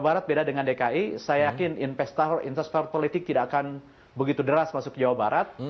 barat beda dengan dki saya yakin investor investor politik tidak akan begitu deras masuk jawa barat